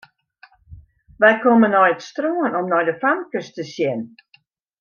Wy komme nei it strân om nei de famkes te sjen.